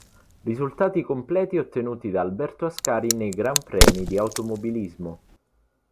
Risultati completi ottenuti da Alberto Ascari nei Gran Premi di automobilismo.